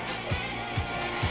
すいません。